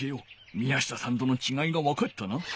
宮下さんとのちがいがわかったな？